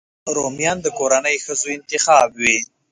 رومیان د کورنۍ ښځو انتخاب وي